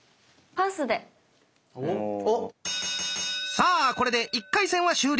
さあこれで１回戦は終了。